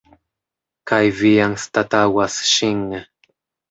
Kaj vi anstataŭas ŝin.